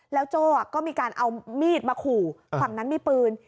แล้วโจ้ก็มีการเอามีดมาขู่ฝั่งนั้นมีปืน